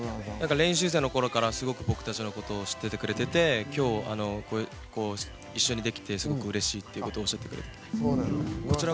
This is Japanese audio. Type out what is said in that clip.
練習生のころからすごく僕たちのことを知っててくれてて一緒にできてすごくうれしいっておっしゃって。